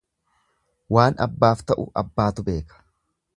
Waan abbaaf ta'u abbaatu beeka.